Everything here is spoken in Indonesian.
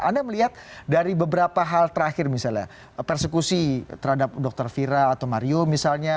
anda melihat dari beberapa hal terakhir misalnya persekusi terhadap dokter fira atau mario misalnya